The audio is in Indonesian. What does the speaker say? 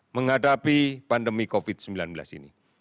menghadapi pandemi covid sembilan belas ini